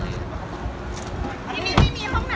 พี่จะไปเข้าห้องน้ำที่ไหนกันนะ